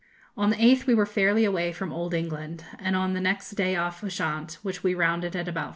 On the 8th we were fairly away from Old England, and on the next day off Ushant, which we rounded at about 4.